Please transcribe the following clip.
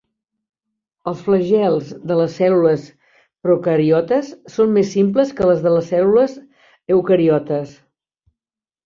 Els flagels de les cèl·lules procariotes són més simples que les de les cèl·lules eucariotes.